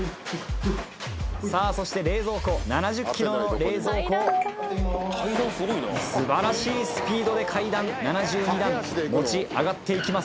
さぁそして冷蔵庫７０ｋｇの冷蔵庫を素晴らしいスピードで階段７２段持ち上がって行きます。